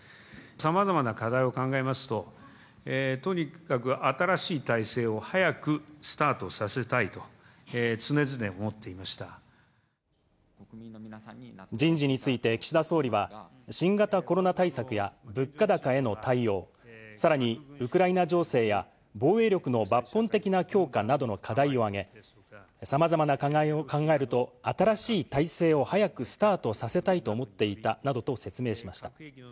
さまざまな課題を考えますと、とにかく新しい体制を早くスタートさせたいと、人事について岸田総理は、新型コロナ対策や物価高への対応、さらにウクライナ情勢や防衛力の抜本的な強化などの課題を挙げ、さまざまな課題を考えると、新しい体制を早くスタートさせたいと思っていたなどと説明しました。